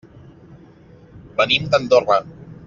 Venim d'Andorra.